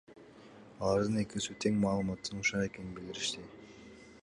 Алардын экөөсү тең маалыматтын ушак экенин билдиришти.